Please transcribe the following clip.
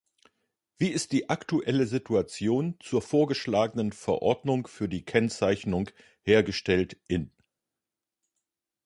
Wie ist die aktuelle Situation zur vorgeschlagenen Verordnung für die Kennzeichnung "Hergestellt in"?